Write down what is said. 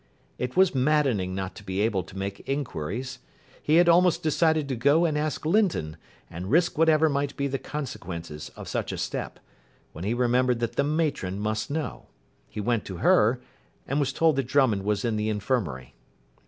It was maddening not to be able to make inquiries. He had almost decided to go and ask Linton, and risk whatever might be the consequences of such a step, when he remembered that the matron must know. He went to her, and was told that Drummond was in the infirmary.